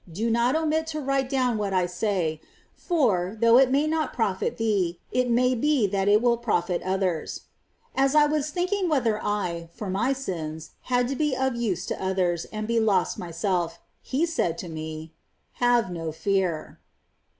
Do not omit to write down what I say ; for, though it may not profit thee, it maybe that it will profit others." As I was thinking whether I, for my sins, had to be of use to others, and be lost myself, He said to me :" Have no fear."